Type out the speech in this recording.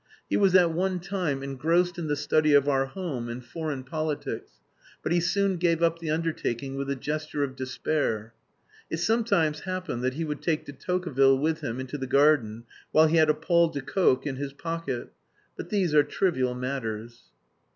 He was at one time engrossed in the study of our home and foreign politics, but he soon gave up the undertaking with a gesture of despair. It sometimes happened that he would take De Tocqueville with him into the garden while he had a Paul de Kock in his pocket. But these are trivial matters.